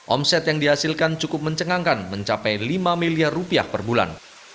omset yang dihasilkan cukup mencengangkan mencapai lima miliar rupiah per bulan